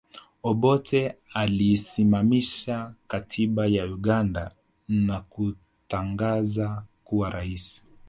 Obote aliisimamisha katiba ya Uganda na kujitangaza kuwa rais